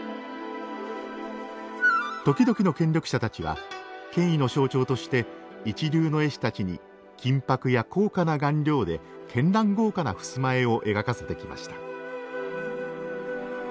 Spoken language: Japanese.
時々の権力者たちは権威の象徴として一流の絵師たちに金ぱくや高価な顔料で絢爛豪華な襖絵を描かせてきました。